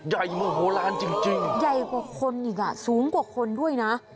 ใหญ่มโหลานจริงใหญ่กว่าคนอีกอ่ะสูงกว่าคนด้วยนะ